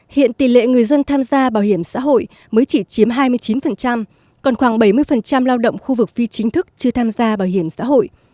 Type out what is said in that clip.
hiện tỷ lệ người dân tham gia bảo hiểm xã hội mới chỉ chiếm hai mươi chín còn khoảng bảy mươi lao động khu vực phi chính thức chưa tham gia bảo hiểm xã hội